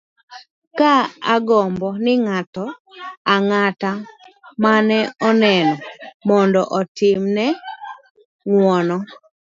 ka ogombo ni ng'ato ang'ata mane onene mondo otim ne ng'uono